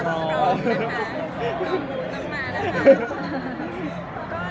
รับมานะคะ